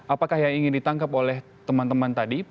apakah yang ingin ditangkap oleh teman teman tadi